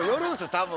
多分。